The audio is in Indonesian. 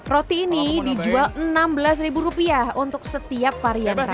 roti ini dijual rp enam belas untuk setiap varian rasa